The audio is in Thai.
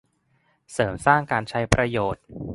เสริมสร้างการใช้ประโยชน์